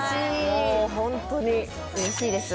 もうホントに嬉しいです